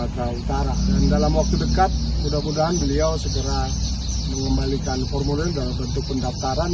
pada waktu dekat mudah mudahan beliau segera mengembalikan formulir dalam bentuk pendaftaran